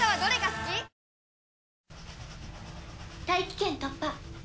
大気圏突破。